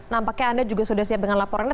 nampaknya anda juga sudah siap dengan laporannya